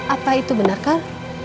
apa itu benarkah